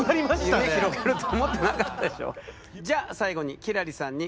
夢広がると思ってなかったでしょ。